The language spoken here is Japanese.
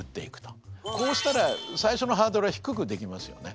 こうしたら最初のハードルは低くできますよね。